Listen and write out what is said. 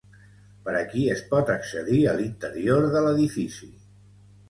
Per aquí es pot accedir a l'interior de l'edifici.